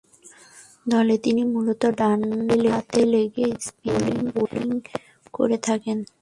দলে তিনি মূলতঃ ডানহাতে লেগ স্পিন বোলিং করে থাকেন।